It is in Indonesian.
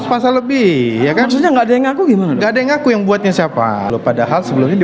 masalahnya tidak ada yang ngaku yang velia apa yang buatnya siapa lu padahal sebelumnya di